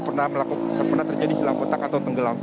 pernah terjadi hilang kotak atau tenggelam